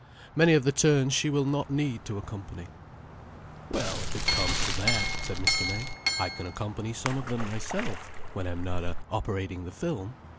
Many of the turns she will not need to accompany—" "Well, if it comes to that," said Mr. May, "I can accompany some of them myself, when I'm not operating the film.